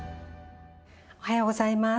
おはようございます。